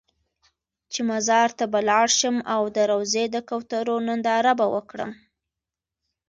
چې مزار ته به لاړ شم او د روضې د کوترو ننداره به وکړم.